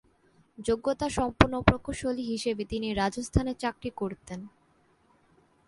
যোগ্যতাসম্পন্ন প্রকৌশলী হিসাবে তিনি রাজস্থানে চাকরি করতেন।